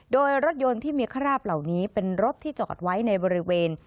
โดยรถยนต์ที่มีคราบเหล่านี้เป็นรถที่จอดไว้ในบริเวณ